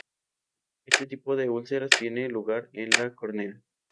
Este tipo de úlceras tiene lugar en la córnea.